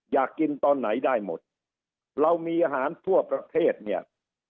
อยากกินตอนไหนได้หมดเรามีอาหารทั่วประเทศเนี่ย